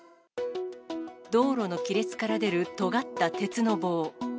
道路の亀裂から出るとがった鉄の棒。